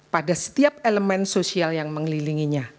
pada setiap elemen sosial yang mengelilinginya